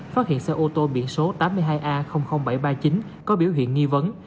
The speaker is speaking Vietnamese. phát hiện xe ô tô biển số tám mươi hai a bảy trăm ba mươi chín có biểu hiện nghi vấn